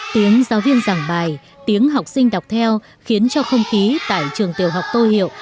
tiếng giáo viên giảng bài tiếng học sinh đọc theo khiến cho không khí tại trường tiểu học tô hiệu